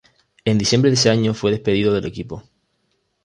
En diciembre de ese año fue despedido del equipo.